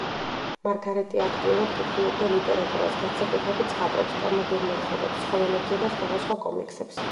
მარგარეტი აქტიურად კითხულობდა ლიტერატურას, განსაკუთრებით ზღაპრებს, კანადურ მოთხრობებს ცხოველებზე და სხვადასხვა კომიქსებს.